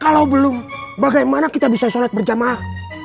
kalau belum bagaimana kita bisa sholat berjamaah